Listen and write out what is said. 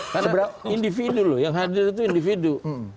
karena individu loh yang hadir itu individu